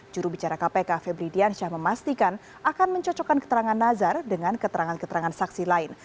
jurubicara kpk febri diansyah memastikan akan mencocokkan keterangan nazar dengan keterangan keterangan saksi lain